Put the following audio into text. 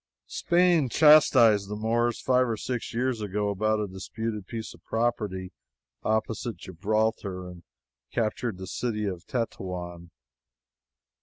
Spain chastised the Moors five or six years ago, about a disputed piece of property opposite Gibraltar, and captured the city of Tetouan.